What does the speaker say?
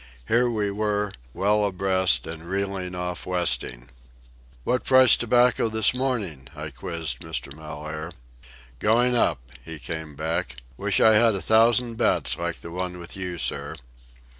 Here we were, well abreast and reeling off westing. "What price tobacco this morning?" I quizzed Mr. Mellaire. "Going up," he came back. "Wish I had a thousand bets like the one with you, sir."